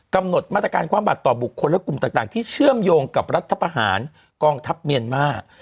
กำหนดมาตรการความบาดต่อบุคคลและกลุ่มต่างที่เชื่อมโยงกับรัฐประหารกองทัพเมียนมาร์